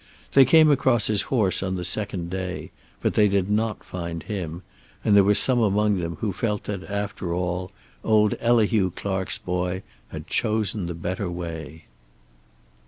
They came across his horse on the second day, but they did not find him, and there were some among them who felt that, after all, old Elihu Clark's boy had chosen the better way.